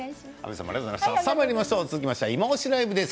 続きまして「いまオシ！ＬＩＶＥ」です。